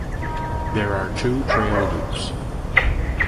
There are two trail loops.